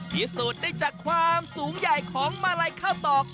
พิสูจน์ได้จากความสูงใหญ่ของมาลัยข้าวตอก